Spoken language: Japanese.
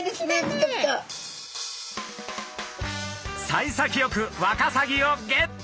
さい先よくワカサギをゲット！